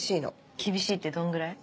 厳しいってどんぐらい？